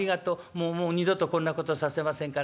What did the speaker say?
もうもう二度とこんなことさせませんから。